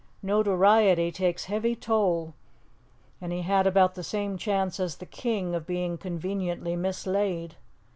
Notoriety takes heavy toll; and he had about the same chance as the king of being conveniently mislaid.